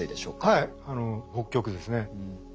はい北極ですね。